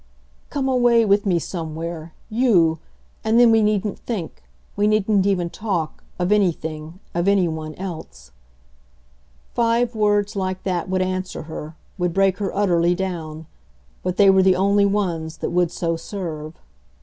"Come away with me, somewhere, YOU and then we needn't think, we needn't even talk, of anything, of anyone else:" five words like that would answer her, would break her utterly down. But they were the only ones that would so serve.